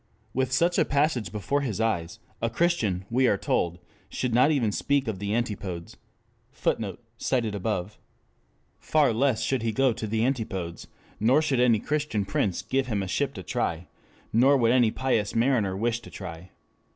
With such a passage before his eyes, a Christian, we are told, should not 'even speak of the Antipodes.'" [Footnote: Id.] Far less should he go to the Antipodes; nor should any Christian prince give him a ship to try; nor would any pious mariner wish to try.